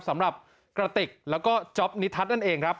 สำหรับกระติกแล้วก็จ๊อปนิทัศน์นั่นเองครับ